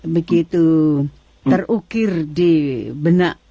begitu terukir di benak